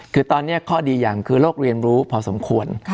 คือตอนนี้ข้อดีอย่างคือโลกเรียนรู้พอสมควร